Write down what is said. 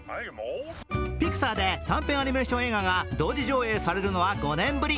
ピクサーで短編アニメーション映画が同時上映されるのは５年ぶり。